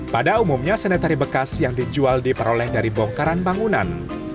pada umumnya senetari bekas yang dijual diperoleh dari bongkaran bangunan